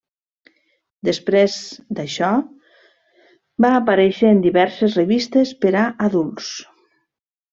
Després d'això, va aparèixer en diverses revistes per a adults.